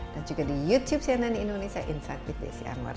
dan juga di youtube cnn indonesia insight with desi anwar